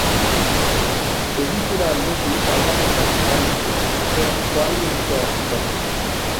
Egitura aldetik aldaketak izan ditu urteak joan urteak etorri.